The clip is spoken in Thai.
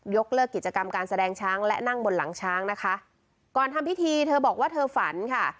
เลิกกิจกรรมการแสดงช้างและนั่งบนหลังช้างนะคะก่อนทำพิธีเธอบอกว่าเธอฝันค่ะ